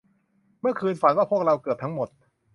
เมื่อคืนฝันว่าพวกเราเกือบทั้งหมด